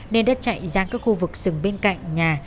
nên đã chạy ra các khu vực rừng bên cạnh nhà